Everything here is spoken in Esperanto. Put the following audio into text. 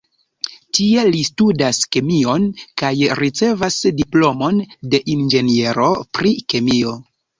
Tie li studas kemion kaj ricevas diplomon de inĝeniero pri kemio.